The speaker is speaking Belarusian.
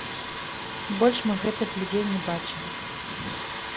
Больш мы гэтых людзей не бачылі.